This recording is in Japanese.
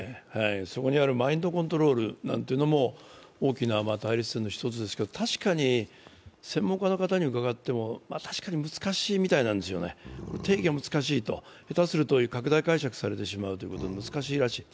そこにあるマインドコントロールなんていうのも大きな対立点の１つですけれども確かに専門家の方にに伺っても確かに難しいみたいなんですよね、定義は難しいと、下手すると拡大解釈されてしまうと、難しいらしい。